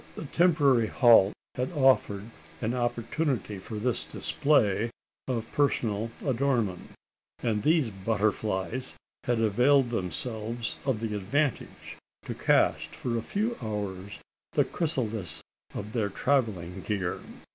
The temporary halt had offered an opportunity for this display of personal adornment; and these butterflies had availed themselves of the advantage, to cast for a few hours the chrysalis of their travelling gear.